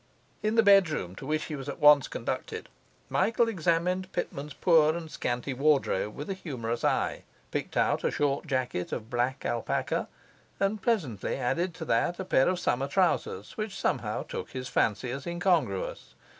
In the bedroom, to which he was at once conducted, Michael examined Pitman's poor and scanty wardrobe with a humorous eye, picked out a short jacket of black alpaca, and presently added to that a pair of summer trousers which somehow took his fancy as incongruous.